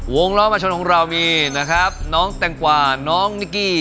ล้อมาชนของเรามีนะครับน้องแตงกว่าน้องนิกกี้